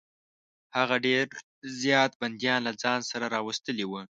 هغه ډېر زیات بندیان له ځان سره راوستلي وه.